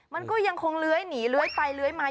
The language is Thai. มันก็ยังคงเลื้อยหนีเลื้อยไปเลื้อยมา